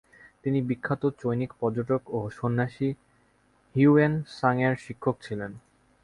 তিনি বিখ্যাত চৈনিক পর্যটক ও সন্ন্যাসী হিউয়েন সাঙের শিক্ষক ছিলেন।